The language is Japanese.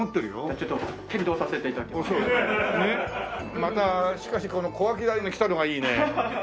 またしかしこの小涌谷に来たのがいいね。